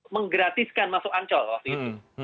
menggratiskan masuk ancol waktu itu